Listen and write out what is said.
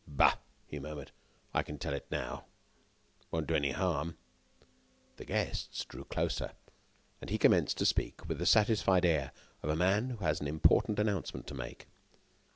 "Bah!" he murmured. "I can tell it now. It won't do any harm." The guests drew closer, and he commenced to speak with the satisfied air of a man who has an important announcement to make.